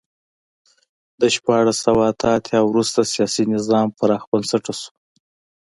له شپاړس سوه اته اتیا وروسته سیاسي نظام پراخ بنسټه شو.